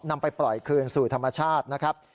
นำไปปล่อยคืนสู่ธรรมชาตินะครับ